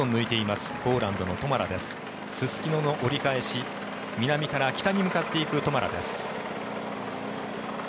すすきのの折り返し南から北に向かっていくトマラです。